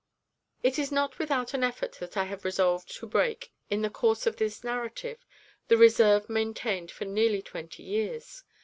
It is not without an effort that I have resolved to break, in the course of this narrative, the reserve maintained for nearly twenty years.